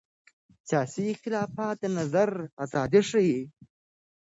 سیاسي اختلاف د نظر ازادي ښيي